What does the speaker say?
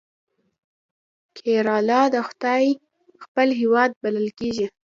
کیرالا د خدای خپل هیواد بلل کیږي.